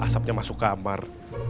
asapnya masuk kamar